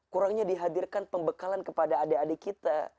kurangnya dihadirkan pembekalan kepada adik adik kita